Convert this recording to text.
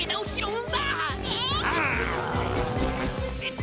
うん！